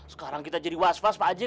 sekarang kita jadi was was pak aji